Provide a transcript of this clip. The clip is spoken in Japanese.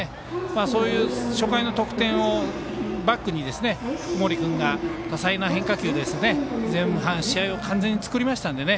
そういう初回の得点をバックに福盛君が多彩な変化球で試合を完全に作りましたのでね。